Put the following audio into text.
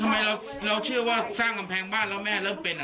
ทำไมเราเชื่อว่าสร้างกำแพงบ้านแล้วแม่เริ่มเป็น